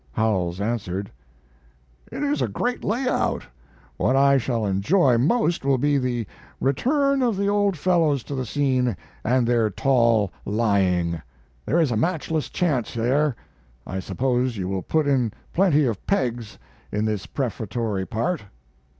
Howells answered: It is a great lay out: what I shall enjoy most will be the return of the old fellows to the scene and their tall lying. There is a matchless chance there. I suppose you will put in plenty of pegs in this prefatory part.